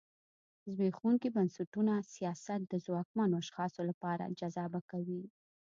زبېښونکي بنسټونه سیاست د ځواکمنو اشخاصو لپاره جذابه کوي.